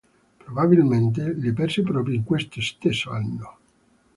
Probabilmente la perse proprio in questo stesso anno.